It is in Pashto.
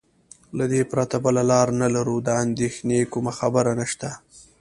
له دې پرته بله لار نه لرو، د اندېښنې کومه خبره نشته.